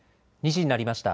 ２時になりました。